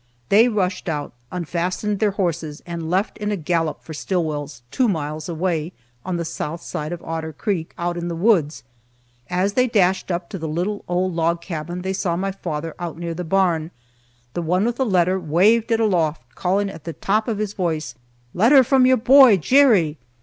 They rushed out, unfastened their horses, and left in a gallop for Stillwell's, two miles away, on the south side of Otter Creek, out in the woods. As they dashed up to the little old log cabin they saw my father out near the barn; the one with the letter waved it aloft, calling at the top of his voice: "Letter from your boy, Jerry!"